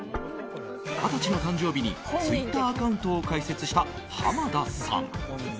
２０歳の誕生日にツイッターアカウントを開設した濱田さん。